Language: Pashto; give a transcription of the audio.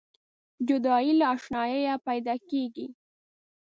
جدایي له اشناییه پیداکیږي.